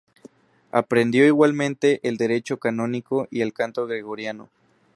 Aprendió igualmente el derecho canónico y el canto gregoriano.